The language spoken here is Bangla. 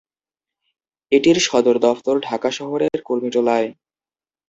এটির সদর দফতর ঢাকা শহরের কুর্মিটোলায়।